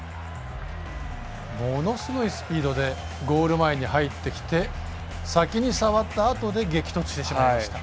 ものすごいスピードでゴール前に入ってきた中で先に触ったあとで激突してしまいました。